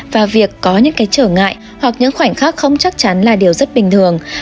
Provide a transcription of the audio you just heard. và việc có những cái trở ngại hoặc những khoảnh khắc không chắc chắn là điều rất bình thường